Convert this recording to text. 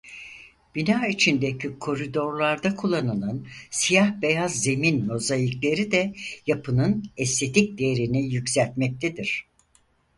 Bina içindeki koridorlarda kullanılan siyah-beyaz zemin mozaikleri de yapının estetik değerini yükseltmektedir.